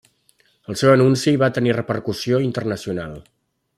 El seu anunci va tenir repercussió internacional.